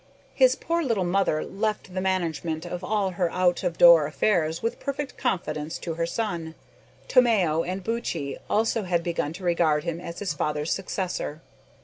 His poor little mother left the management of all her out of door affairs with perfect confidence to her son. Tomeo and Buttchee also had begun to regard him as his father's successor.